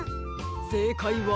せいかいは。